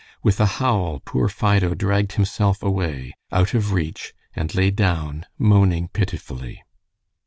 With a howl, poor Fido dragged himself away out of reach and lay down, moaning pitifully.